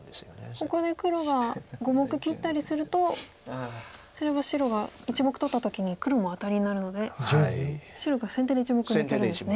ここで黒が５目切ったりするとそれは白が１目取った時に黒もアタリになるので白が先手で１目抜けるんですね。